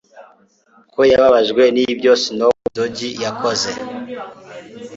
ko yababajwe nibyo Snoop uDoggi yakoze